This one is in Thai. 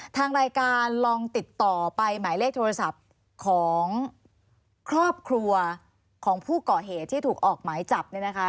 ทางรายการลองติดต่อไปหมายเลขโทรศัพท์ของครอบครัวของผู้เกาะเหตุที่ถูกออกหมายจับเนี่ยนะคะ